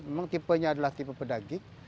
memang tipenya adalah tipe pedagik